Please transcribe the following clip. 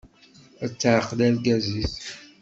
Ad taɛqel argaz-is.